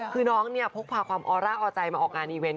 คือน้องเนี่ยพกพาความออร่าออใจมาออกงานอีเวนต